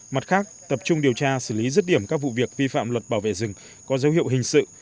mặt khác tập trung điều tra xử lý rứt điểm các vụ việc vi phạm luật bảo vệ rừng có dấu hiệu hình sự